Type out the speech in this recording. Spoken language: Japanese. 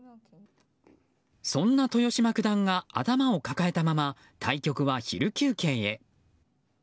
そんな豊島九段が頭を抱えたまま対局は、昼休憩へ。